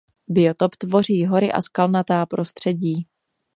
Biotop tvoří hory a skalnatá prostředí.